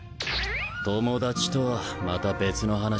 友達とはまた別の話だぜ。